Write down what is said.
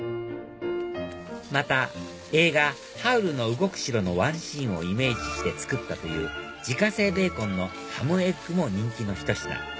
また映画『ハウルの動く城』のワンシーンをイメージして作ったという自家製ベーコンのハムエッグも人気のひと品